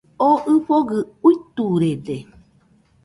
Oo ɨfogɨ uiturude